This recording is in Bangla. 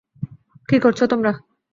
কি করছো তোমরা?